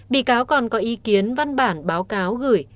bị cáo còn có ý kiến văn bản báo cáo gửi